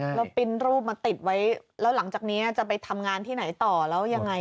แล้วปิ้นรูปมาติดไว้แล้วหลังจากนี้จะไปทำงานที่ไหนต่อแล้วยังไง